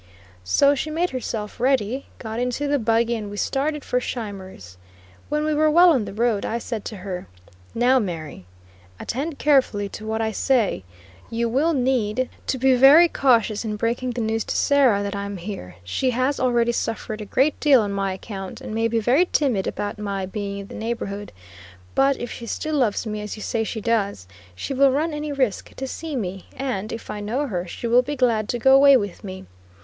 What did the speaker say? So she made herself ready, got into the buggy, and we started for Scheimer's. When we were well on the road I said to her: "Now, Mary, attend carefully to what I say: you will need to be very cautious in breaking the news to Sarah that I am here; she has already suffered a great deal on my account, and may be very timid about my being in the neighborhood; but if she still loves me as you say she does, she will run any risk to see me, and, if I know her, she will be glad to go away with me.